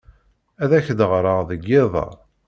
Ad ak-d-ɣreɣ deg yiḍ-a.